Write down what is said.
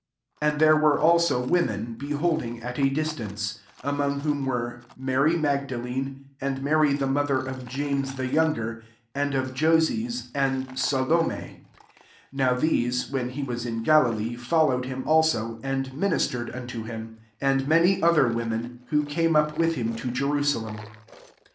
40 And there were also wo^ men, beholding at a distance ; among whom were Mary Ma|^ dalene, and Mary the mother of James the younger* an4 of Joses, and Salom6; 41 (p/aw these, when he was in Galiieef followed him also, and minis tered unto him;) and many other women, who came up with him to Jerusalem.